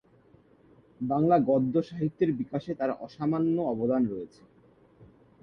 বাংলা গদ্য সাহিত্যের বিকাশে তার অসামান্য অবদান রয়েছে।